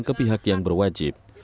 ke pihak yang berwajib